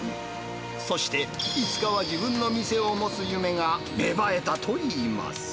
そして、いつかは自分の店を持つ夢が芽生えたといいます。